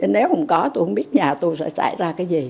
nếu không có tôi không biết nhà tôi sẽ xảy ra cái gì